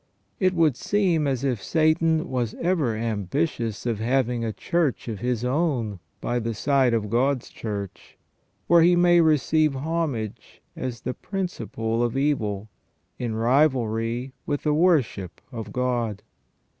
It would seem as if Satan was ever ambitious of having a church of his own by the side of God's Church, where he may receive homage as the principle of evil, in rivalry with the wor ship of God.